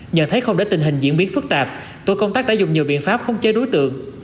nhận thấy không để tình hình diễn biến phức tạp tổ công tác đã dùng nhiều biện pháp không chế đối tượng